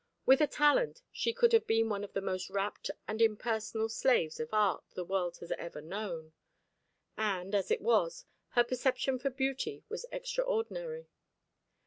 With a talent, she could have been one of the most rapt and impersonal slaves of Art the world had ever known; and, as it was, her perception for beauty was extraordinary.